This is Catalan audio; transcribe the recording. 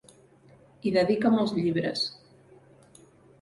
Hi dedica molts llibres.